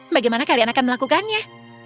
bagaimana kalian akan melakukannya